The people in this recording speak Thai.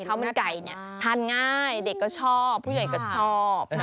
ข้าวมันไก่เนี่ยทานง่ายเด็กก็ชอบผู้ใหญ่ก็ชอบ